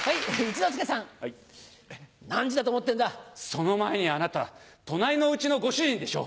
その前にあなた隣の家のご主人でしょ！